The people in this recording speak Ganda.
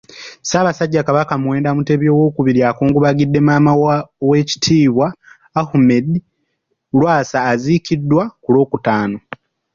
Ssaabasajja Kabaka Muwenda Mutebi Owookubiri, akungubagidde maama wa Oweekitiibwa Ahmed Lwasa aziikiddwa ku Lwokutaano.